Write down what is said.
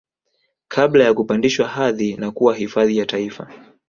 Kabla ya kupandishwa hadhi na kuwa hifadhi ya taifa